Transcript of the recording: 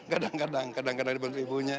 kadang kadang kadang kadang dibantu ibunya